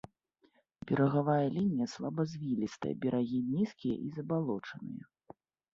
Берагавая лінія слабазвілістая, берагі нізкія і забалочаныя.